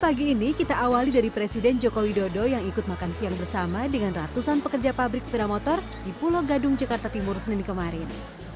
pagi ini kita awali dari presiden joko widodo yang ikut makan siang bersama dengan ratusan pekerja pabrik sepeda motor di pulau gadung jakarta timur senin kemarin